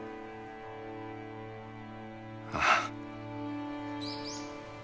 ああ。